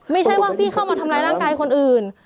ไม่ใช่ว่าพี่เข้ามาทำร้ายร่างกายคนอื่น